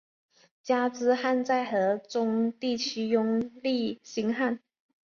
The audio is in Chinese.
加兹罕在河中地区拥立新汗。